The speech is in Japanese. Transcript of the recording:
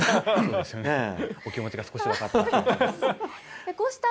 お気持ちが少し分かりました。